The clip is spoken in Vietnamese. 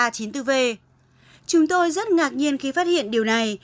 chúng tôi rất ngạc nhiên khi phát hiện điều này